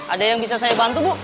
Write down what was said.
ada yang bisa saya bantu bu